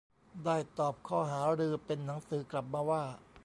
ได้ตอบข้อหารือเป็นหนังสือกลับมาว่า